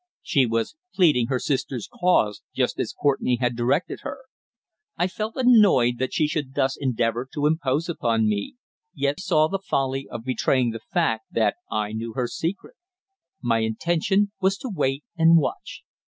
She was pleading her sister's cause just as Courtenay had directed her. I felt annoyed that she should thus endeavour to impose upon me, yet saw the folly of betraying the fact that I knew her secret. My intention was to wait and watch.